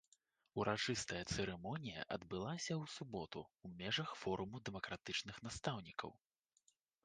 Урачыстая цырымонія адбылася ў суботу ў межах форуму дэмакратычных настаўнікаў.